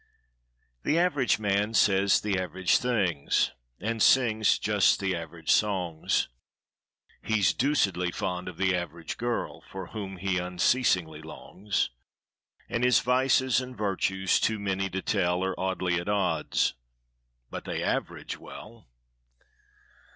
The Average Man says the average thingsAnd sings just the average songs; He's deucedly fond of the Average Girl, For whom he unceasingly longs—And his vices and virtues, too many to tell, Are oddly at odds—but they average well.